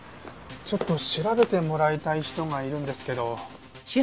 ちょっと調べてもらいたい人がいるんですけど。